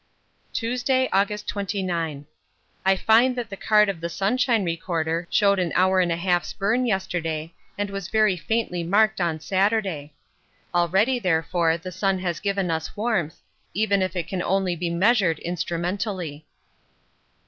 Tuesday, August 29. I find that the card of the sunshine recorder showed an hour and a half's burn yesterday and was very faintly marked on Saturday; already, therefore, the sun has given us warmth, even if it can only be measured instrumentally.